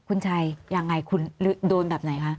คุณชัยอย่างไรดูนแบบไหนคะ